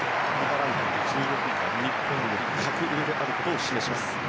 ランキング１６位は日本より格上であることを示します。